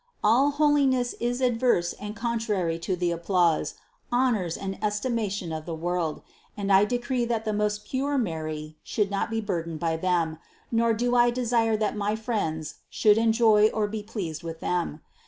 All holiness is adverse and contrary to the applause, honors and estimation of the world, and I decreed that the most pure Mary should not THE CONCEPTION 331 be burdened by them, nor do I desire that my friends should enjoy or be pleased with them.